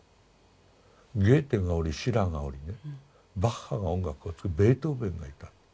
ゲーテがおりシラーがおりねバッハが音楽を作りベートーベンがいた。